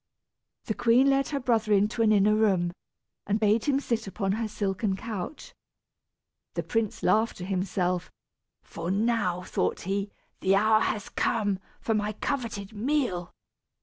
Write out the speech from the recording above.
The queen led her brother into an inner room, and bade him sit upon her silken couch. The prince laughed to himself, for now, thought he, the hour has come for my coveted meal.